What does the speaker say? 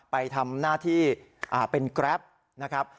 ไปทำหน้าที่เป็นแกรปนะครับ